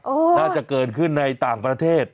น่าจะเกิดขึ้นในต่างประเทศ